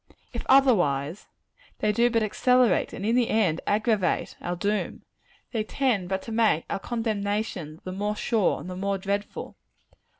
If otherwise, they do but accelerate, and in the end aggravate, our doom. They tend but to make our condemnation the more sure, and the more dreadful.